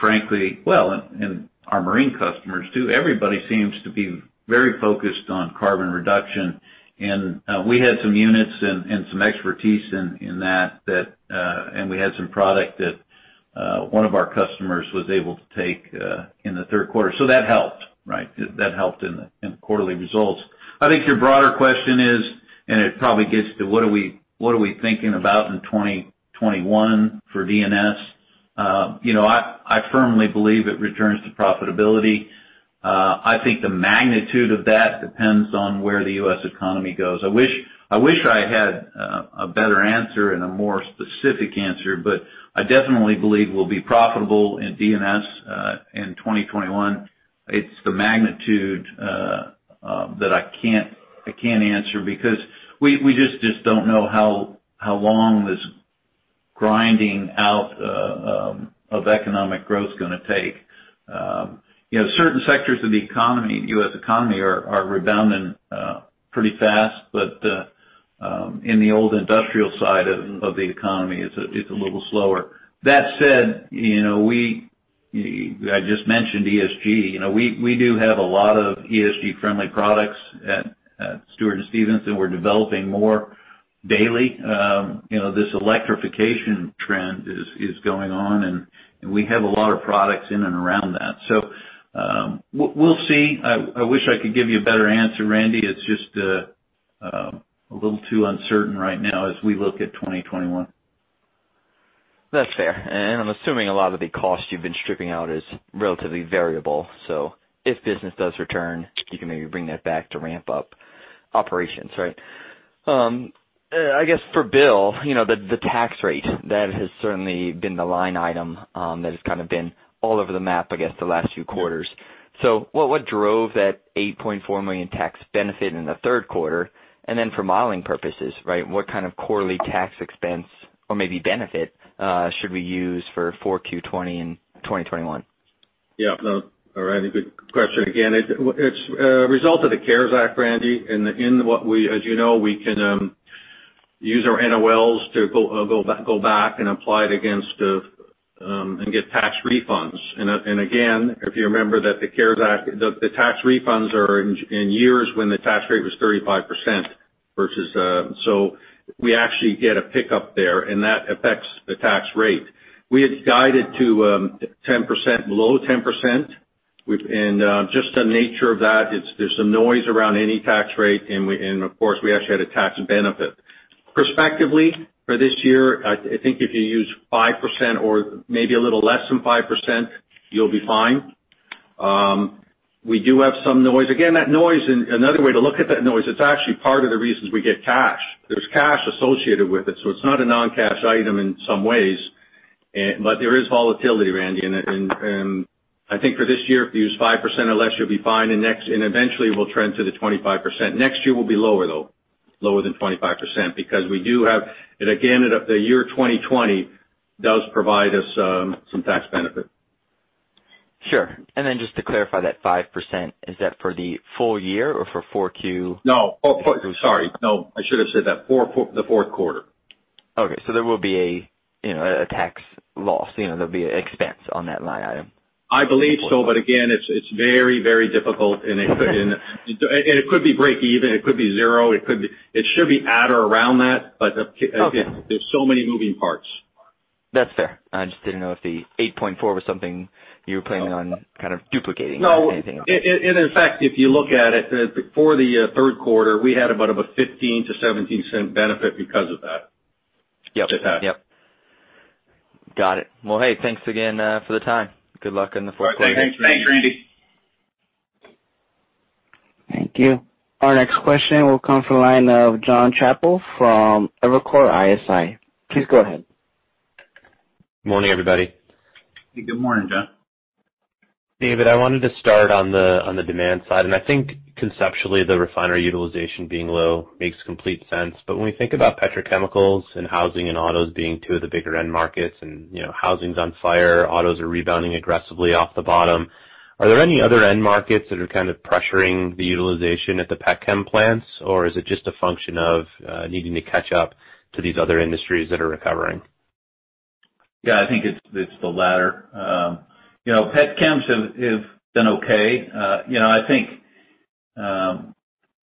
frankly—well, and our marine customers, too, everybody seems to be very focused on carbon reduction. We had some units and some expertise in that, and we had some product that one of our customers was able to take in the third quarter. So that helped, right? That helped in the quarterly results. I think your broader question is, and it probably gets to what are we thinking about in 2021 for D&S? You know, I firmly believe it returns to profitability. I think the magnitude of that depends on where the U.S. economy goes. I wish, I wish I had a better answer and a more specific answer, but I definitely believe we'll be profitable in D&S in 2021. It's the magnitude that I can't answer because we just don't know how long this grinding out of economic growth is gonna take. You know, certain sectors of the economy, the U.S. economy are rebounding pretty fast, but in the old industrial side of the economy, it's a little slower. That said, you know, we—I just mentioned ESG. You know, we do have a lot of ESG-friendly products at Stewart & Stevenson, and we're developing more daily. You know, this electrification trend is going on, and we have a lot of products in and around that. So, we'll see. I wish I could give you a better answer, Randy. It's just a little too uncertain right now as we look at 2021. That's fair, and I'm assuming a lot of the costs you've been stripping out is relatively variable, so if business does return, you can maybe bring that back to ramp up operations, right? I guess for Bill, you know, the, the tax rate, that has certainly been the line item, that has kind of been all over the map, I guess, the last few quarters. So what, what drove that $8.4 million tax benefit in the third quarter? And then for modeling purposes, right, what kind of quarterly tax expense or maybe benefit, should we use for 4Q20 in 2021? Yeah. No. All right, good question again. It's a result of the CARES Act, Randy, and in what we... As you know, we can use our NOLs to go back and apply it against and get tax refunds. And again, if you remember that the CARES Act, the tax refunds are in years when the tax rate was 35% versus... So we actually get a pickup there, and that affects the tax rate. We had guided to 10%, below 10%. And just the nature of that, it's—there's some noise around any tax rate, and we, and of course, we actually had a tax benefit. Prospectively, for this year, I think if you use 5% or maybe a little less than 5%, you'll be fine. We do have some noise. Again, that noise, and another way to look at that noise, it's actually part of the reasons we get cash. There's cash associated with it, so it's not a non-cash item in some ways, and, but there is volatility, Randy, and I think for this year, if you use 5% or less, you'll be fine, and eventually we'll trend to the 25%. Next year will be lower, though, lower than 25%, because we do have, and again, the year 2020 does provide us some tax benefit. Sure. And then just to clarify that 5%, is that for the full year or for 4Q? No. Oh, sorry. No, I should have said that, 4, for the fourth quarter. Okay, there will be a, you know, a tax loss, you know, there'll be an expense on that line item. I believe so. But again, it's very, very difficult, and it could be break even, it could be zero, it could be... It should be at or around that. Okay. Again, there's so many moving parts. That's fair. I just didn't know if the 8.4 was something you were planning on kind of duplicating or anything. No. And in fact, if you look at it, for the third quarter, we had about a $0.15-$0.17 benefit because of that. Yep. Just that. Yep. Got it. Well, hey, thanks again for the time. Good luck in the fourth quarter. Thanks, Randy. Thank you. Our next question will come from the line of Jon Chappell from Evercore ISI. Please go ahead. Morning, everybody. Good morning, Jon. David, I wanted to start on the demand side, and I think conceptually, the refinery utilization being low makes complete sense. But when we think about petrochemicals and housing and autos being two of the bigger end markets, and, you know, housing's on fire, autos are rebounding aggressively off the bottom. Are there any other end markets that are kind of pressuring the utilization at the petchem plants, or is it just a function of needing to catch up to these other industries that are recovering? Yeah, I think it's the latter. You know, petchems have been okay. You know, I think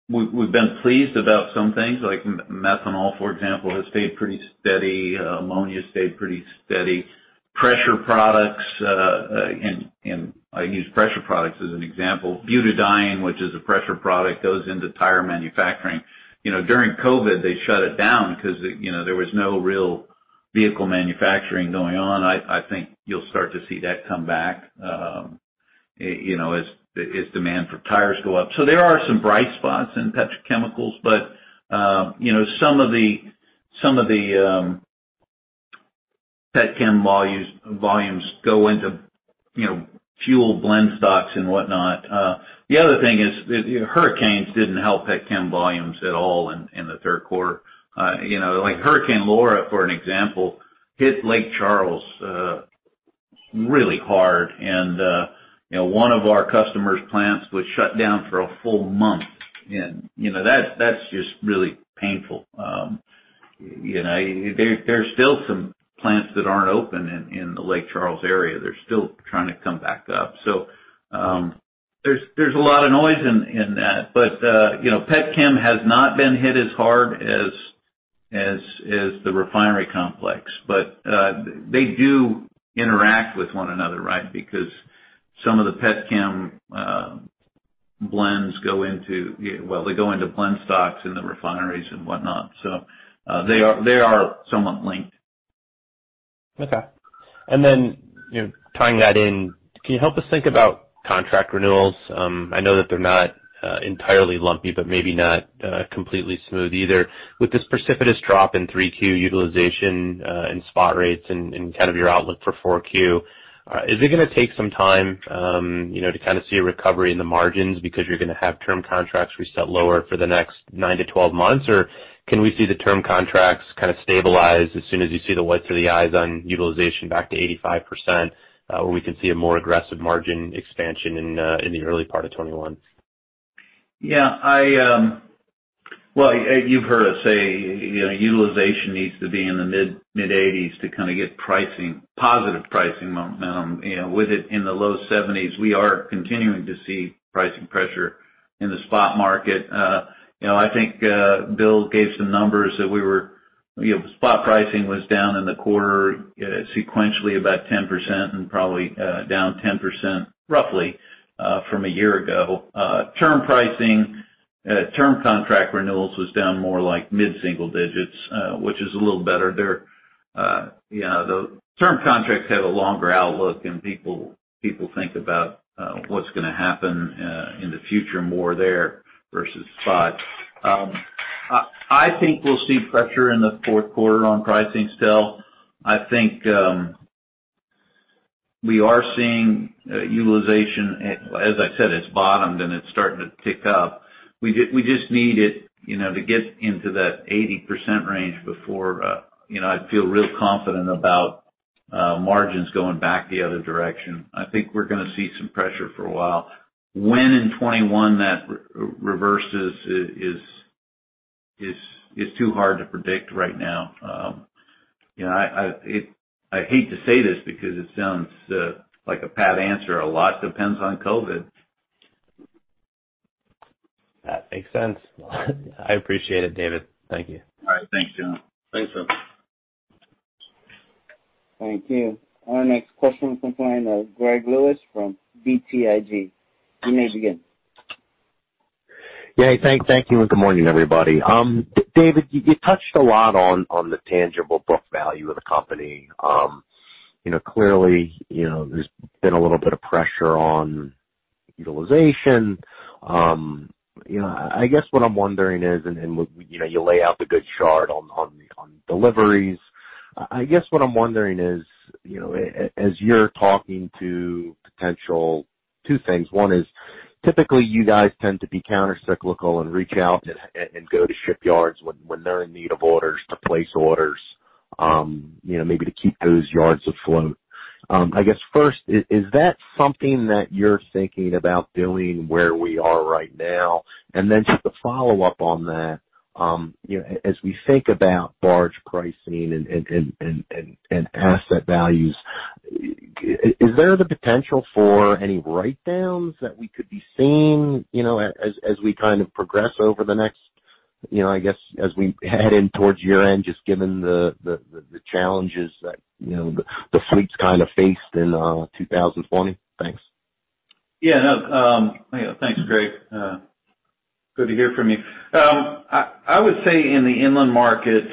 we've been pleased about some things, like methanol, for example, has stayed pretty steady. Ammonia stayed pretty steady. Pressure products, and I use pressure products as an example. Butadiene, which is a pressure product, goes into tire manufacturing. You know, during COVID, they shut it down because, you know, there was no real vehicle manufacturing going on. I think you'll start to see that come back, you know, as demand for tires go up. So there are some bright spots in petrochemicals, but, you know, some of the petchem volumes go into, you know, fuel blend stocks and whatnot. The other thing is, you know, hurricanes didn't help petchem volumes at all in the third quarter. You know, like Hurricane Laura, for an example, hit Lake Charles really hard and, you know, one of our customers' plants was shut down for a full month. And, you know, that's just really painful. You know, there are still some plants that aren't open in the Lake Charles area. They're still trying to come back up. So, there's a lot of noise in that. But, you know, petchem has not been hit as hard as the refinery complex, but they do interact with one another, right? Because some of the petchem blends go into, well, they go into blend stocks in the refineries and whatnot. So, they are somewhat linked.... Okay. And then, you know, tying that in, can you help us think about contract renewals? I know that they're not entirely lumpy, but maybe not completely smooth either. With this precipitous drop in 3Q utilization, and spot rates and kind of your outlook for 4Q, is it gonna take some time, you know, to kind of see a recovery in the margins because you're gonna have term contracts reset lower for the next 9-12 months? Or can we see the term contracts kind of stabilize as soon as you see the whites of the eyes on utilization back to 85%, where we can see a more aggressive margin expansion in, in the early part of 2021? Yeah, I, well, you've heard us say, you know, utilization needs to be in the mid-80s to kind of get pricing positive pricing momentum. You know, with it in the low 70s, we are continuing to see pricing pressure in the spot market. You know, I think Bill gave some numbers that we were... You know, spot pricing was down in the quarter sequentially about 10% and probably down 10%, roughly, from a year ago. Term pricing term contract renewals was down more like mid-single digits, which is a little better there. You know, the term contracts have a longer outlook, and people people think about what's gonna happen in the future more there versus spot. I, I think we'll see pressure in the fourth quarter on pricing still. I think, we are seeing utilization, as I said, it's bottomed, and it's starting to tick up. We just, we just need it, you know, to get into that 80% range before, you know, I'd feel real confident about, margins going back the other direction. I think we're gonna see some pressure for a while. When in 2021 that reverses is too hard to predict right now. You know, I, I hate to say this because it sounds, like a pat answer, a lot depends on COVID. That makes sense. I appreciate it, David. Thank you. All right. Thanks, John. Thanks, everyone. Thank you. Our next question will come from Greg Lewis from BTIG. You may begin. Yeah, thank you, and good morning, everybody. David, you touched a lot on the tangible book value of the company. You know, clearly, you know, there's been a little bit of pressure on utilization. You know, I guess what I'm wondering is, and you know, you lay out the good chart on deliveries. I guess what I'm wondering is, you know, as you're talking to potential... Two things: one is, typically, you guys tend to be countercyclical and reach out and go to shipyards when they're in need of orders, to place orders, you know, maybe to keep those yards afloat. I guess first, is that something that you're thinking about doing where we are right now? And then just to follow up on that, you know, as we think about barge pricing and asset values, is there the potential for any write-downs that we could be seeing, you know, as we kind of progress over the next, you know, I guess, as we head in towards year-end, just given the challenges that, you know, the fleets kind of faced in 2020? Thanks. Yeah, no, you know, thanks, Greg. Good to hear from you. I would say in the inland market,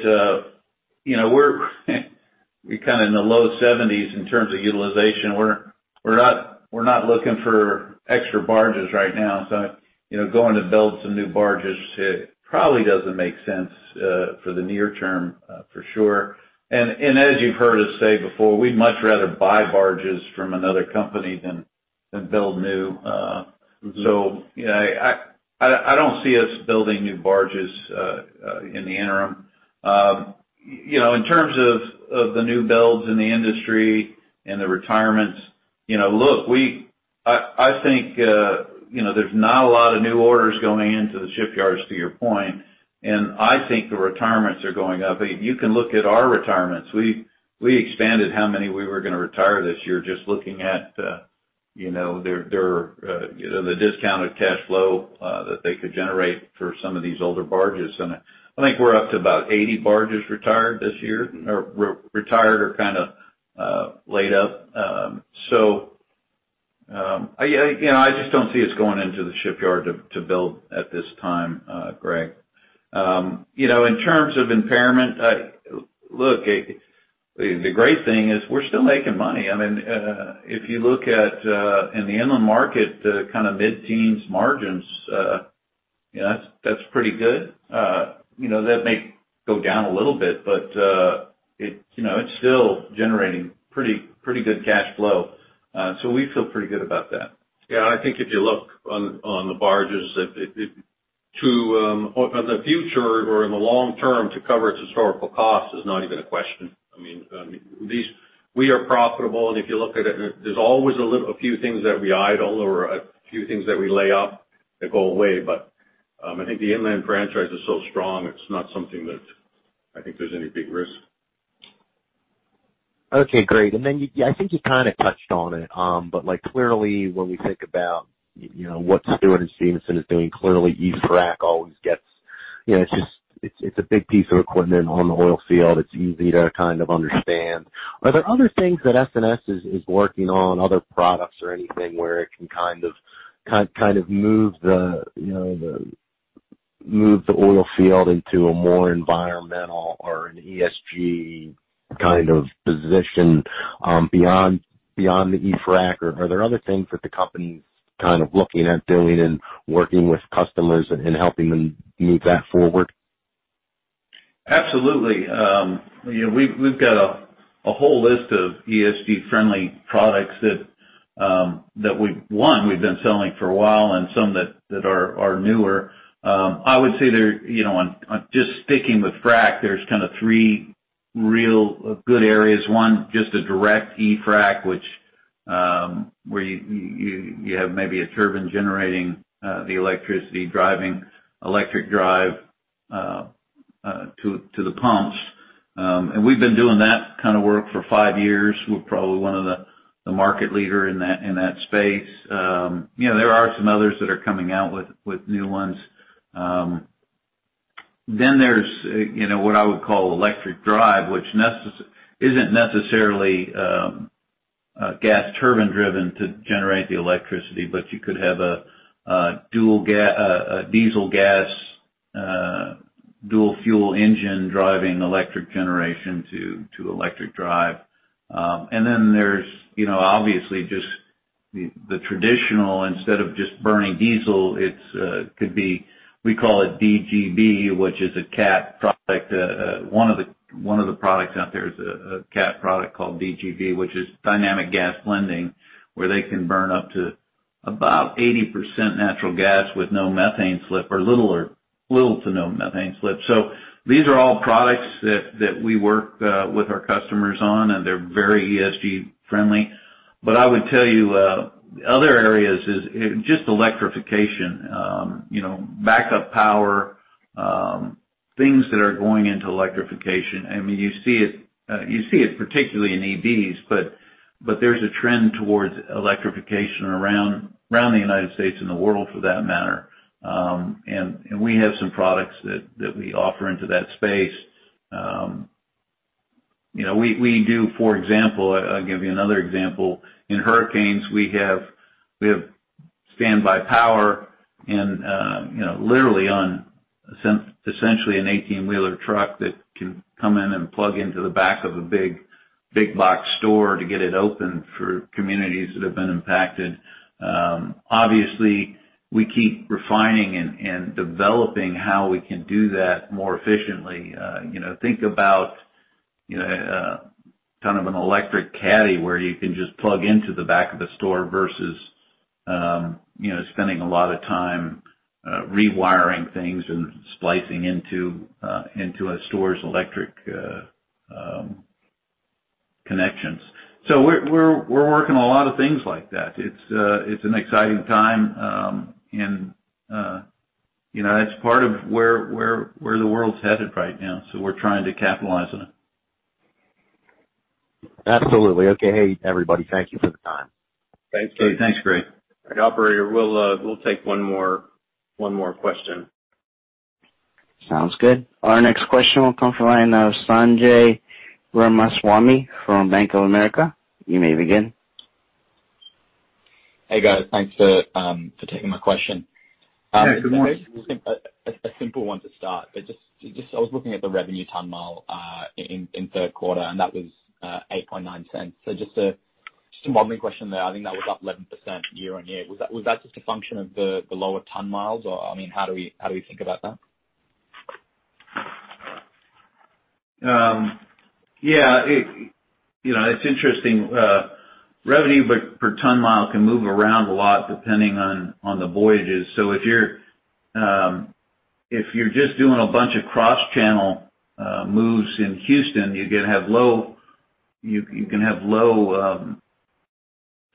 you know, we're kind of in the low 70s% in terms of utilization. We're not looking for extra barges right now. So, you know, going to build some new barges, it probably doesn't make sense for the near term, for sure. And as you've heard us say before, we'd much rather buy barges from another company than build new. Mm-hmm. So, you know, I don't see us building new barges in the interim. You know, in terms of the new builds in the industry and the retirements, you know, look, I think, you know, there's not a lot of new orders going into the shipyards, to your point, and I think the retirements are going up. You can look at our retirements. We expanded how many we were gonna retire this year, just looking at, you know, their, you know, the discounted cash flow that they could generate for some of these older barges. And I think we're up to about 80 barges retired this year, or retired or kind of laid up. So, you know, I just don't see us going into the shipyard to build at this time, Greg. You know, in terms of impairment, look, the great thing is we're still making money. I mean, if you look at in the inland market, the kind of mid-teens margins, you know, that's pretty good. You know, that may go down a little bit, but it, you know, it's still generating pretty good cash flow. So we feel pretty good about that. Yeah, I think if you look at the barges in the future or in the long term to cover its historical cost is not even a question. I mean, these... We are profitable, and if you look at it, there's always a little, a few things that we idle or a few things that we lay off that go away. But, I think the inland franchise is so strong, it's not something that I think there's any big risk. Okay, great. And then, yeah, I think you kind of touched on it, but like, clearly, when we think about, you know, what Stewart & Stevenson is doing, clearly, E-frac always gets, you know, it's just, it's a big piece of equipment on the oil field. It's easy to kind of understand. Are there other things that S&S is working on, other products or anything where it can kind of move the, you know, move the oil field into a more environmental or an ESG kind of position, beyond the E-frac, or are there other things that the company's kind of looking at doing and working with customers and helping them move that forward? Absolutely. You know, we've got a whole list of ESG friendly products that we, we've been selling for a while, and some that are newer. I would say there, you know, on just sticking with frac, there's kind of three real good areas. One, just a direct E-frac, which, where you have maybe a turbine generating the electricity, driving electric drive to the pumps. And we've been doing that kind of work for five years. We're probably one of the market leader in that space. You know, there are some others that are coming out with new ones. Then there's, you know, what I would call electric drive, which isn't necessarily gas turbine driven to generate the electricity, but you could have a dual fuel engine driving electric generation to electric drive. And then there's, you know, obviously just the traditional, instead of just burning diesel, it could be, we call it DGB, which is a Cat product. One of the products out there is a Cat product called DGB, which is Dynamic Gas Blending, where they can burn up to about 80% natural gas with no methane slip, or little to no methane slip. So these are all products that we work with our customers on, and they're very ESG friendly. But I would tell you, other areas is just electrification. You know, backup power, things that are going into electrification. I mean, you see it, you see it particularly in EVs, but there's a trend towards electrification around the United States and the world, for that matter. And we have some products that we offer into that space. You know, we do, for example. I'll give you another example. In hurricanes, we have standby power and, you know, literally on essentially an 18-wheeler truck that can come in and plug into the back of a big box store to get it open for communities that have been impacted. Obviously, we keep refining and developing how we can do that more efficiently. You know, think about, you know, kind of an electric caddy where you can just plug into the back of the store versus, you know, spending a lot of time, rewiring things and splicing into, into a store's electric, connections. So we're working on a lot of things like that. It's an exciting time, and, you know, that's part of where the world's headed right now, so we're trying to capitalize on it. Absolutely. Okay, hey, everybody, thank you for the time. Thanks, Greg. Thanks, Greg. Operator, we'll, we'll take one more, one more question. Sounds good. Our next question will come from the line of Sanjay Ramaswamy from Bank of America. You may begin. Hey, guys. Thanks for taking my question. Yeah, good morning. A simple one to start, but just, just I was looking at the revenue ton mile in third quarter, and that was $0.089. So just a modeling question there. I think that was up 11% year-over-year. Was that just a function of the lower ton miles, or, I mean, how do we think about that? Yeah, it, you know, it's interesting. Revenue per ton mile can move around a lot depending on the voyages. So if you're just doing a bunch of cross channel moves in Houston, you're gonna have low ton miles, but you can have low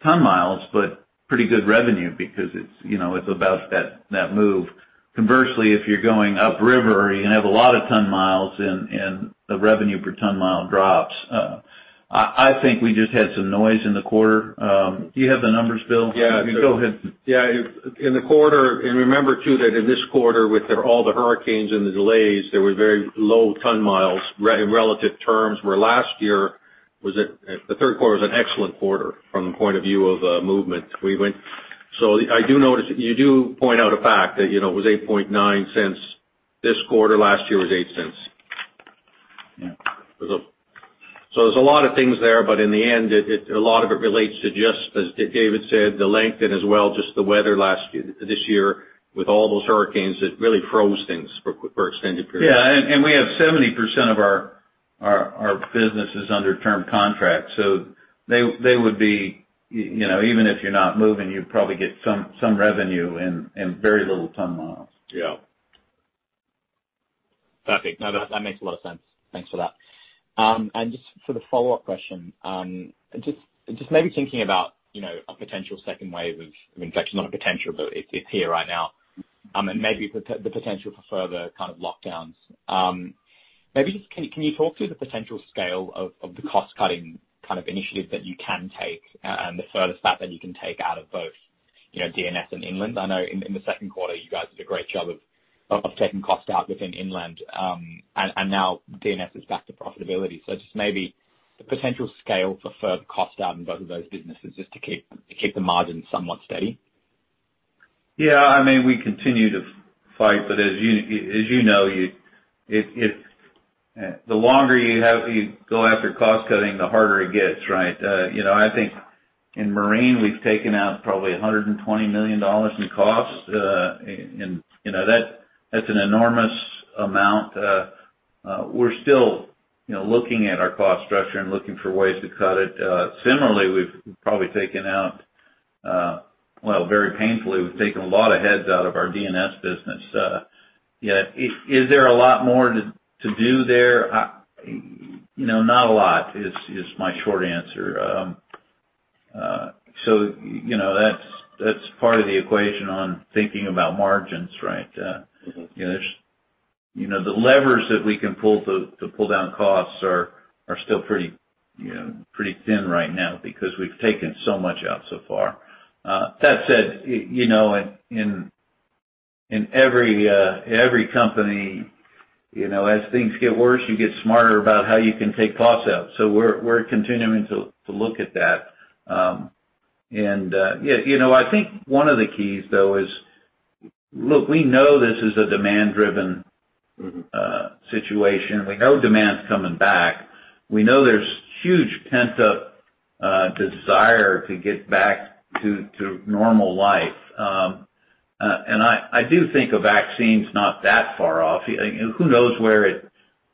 ton miles, but pretty good revenue because it's, you know, it's about that move. Conversely, if you're going upriver, you're gonna have a lot of ton miles and the revenue per ton mile drops. I think we just had some noise in the quarter. Do you have the numbers, Bill? Yeah. You go ahead. Yeah, in the quarter, and remember, too, that in this quarter, with all the hurricanes and the delays, there were very low ton miles in relative terms, where last year was at, the third quarter was an excellent quarter from the point of view of movement. We went... So I do notice, you do point out a fact that, you know, it was $0.089 this quarter, last year was $0.08. Yeah. So there's a lot of things there, but in the end, a lot of it relates to just, as David said, the length and as well, just the weather last year, this year, with all those hurricanes, it really froze things for extended periods. Yeah, and we have 70% of our business under term contract, so they would be, you know, even if you're not moving, you'd probably get some revenue and very little ton miles. Yeah. Perfect. No, that, that makes a lot of sense. Thanks for that. And just for the follow-up question, just maybe thinking about, you know, a potential second wave of infection, not a potential, but it's here right now, and maybe the potential for further kind of lockdowns. Maybe just can you talk through the potential scale of the cost cutting kind of initiatives that you can take, and the furthest fat that you can take out of both, you know, D&S and inland? I know in the second quarter, you guys did a great job of taking costs out within inland. And now D&S is back to profitability. So just maybe... the potential scale for further cost out in both of those businesses, just to keep the margins somewhat steady? Yeah, I mean, we continue to fight, but as you know, the longer you go after cost cutting, the harder it gets, right? You know, I think in marine, we've taken out probably $120 million in costs. And, you know, that's an enormous amount. We're still, you know, looking at our cost structure and looking for ways to cut it. Similarly, we've probably taken out, well, very painfully, we've taken a lot of heads out of our D&S business. Yet, is there a lot more to do there? You know, not a lot, is my short answer. So, you know, that's part of the equation on thinking about margins, right? Mm-hmm. You know, there's, you know, the levers that we can pull to, to pull down costs are, are still pretty, you know, pretty thin right now because we've taken so much out so far. That said, you know, in every company, you know, as things get worse, you get smarter about how you can take costs out. So we're continuing to look at that. And yeah, you know, I think one of the keys, though, is look, we know this is a demand-driven- Mm-hmm... situation. We know demand's coming back. We know there's huge pent-up desire to get back to normal life. And I do think a vaccine's not that far off. Who knows where it...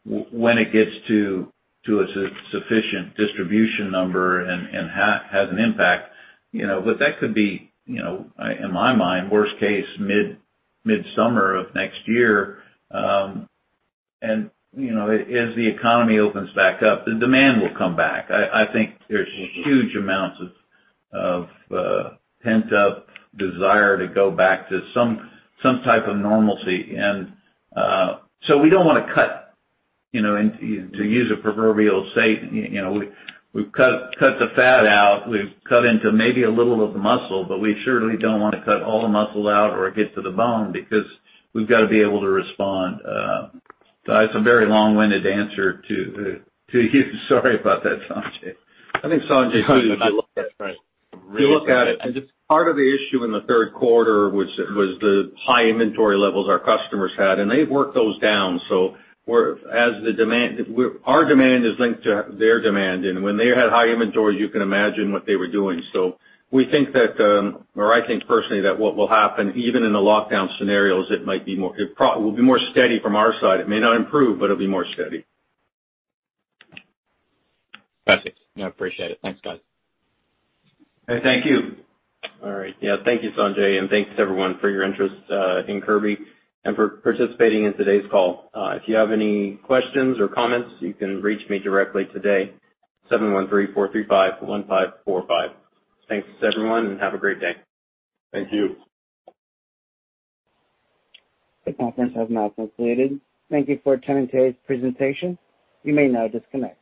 when it gets to a sufficient distribution number and has an impact, you know? But that could be, you know, in my mind, worst case, mid-summer of next year. And, you know, as the economy opens back up, the demand will come back. I think there's huge amounts of pent-up desire to go back to some type of normalcy. So we don't wanna cut, you know, and to use a proverbial saying, you know, we've cut the fat out, we've cut into maybe a little of the muscle, but we certainly don't want to cut all the muscle out or get to the bone, because we've got to be able to respond. That's a very long-winded answer to you. Sorry about that, Sanjay. I think, Sanjay, too, if you look at it- Right. If you look at it, I think part of the issue in the third quarter, which was the high inventory levels our customers had, and they've worked those down. So as the demand, our demand is linked to their demand, and when they had high inventory, you can imagine what they were doing. So we think that, or I think personally, that what will happen, even in the lockdown scenarios, it might be more, will be more steady from our side. It may not improve, but it'll be more steady. Got it. I appreciate it. Thanks, guys. Hey, thank you. All right. Yeah, thank you, Sanjay, and thanks everyone for your interest in Kirby and for participating in today's call. If you have any questions or comments, you can reach me directly today, 713-435-1545. Thanks, everyone, and have a great day. Thank you. The conference has now concluded. Thank you for attending today's presentation. You may now disconnect.